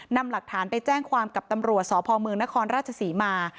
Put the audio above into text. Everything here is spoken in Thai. นำหลักฐานไปแจ้งความกับตำรวจสพเมืองนครราชศรีมา